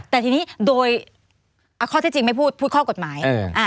แต่ทีนี้โดยข้อที่จริงไม่พูดพูดข้อกฎหมาย